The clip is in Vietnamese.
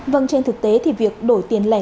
vâng trên thực tế thì việc đổi tiền lẻ